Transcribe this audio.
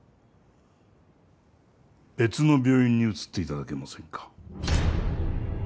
別の病院に移って頂けませんか？